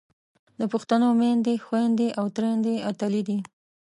د پښتنو میندې، خویندې او تریندې اتلې دي.